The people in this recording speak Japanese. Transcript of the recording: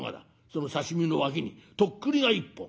その刺身の脇にとっくりが１本。